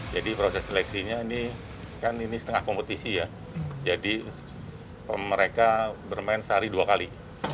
jadi proses seleksinya ini kan ini setengah kompetisi ya jadi mereka bermain sehari dua kali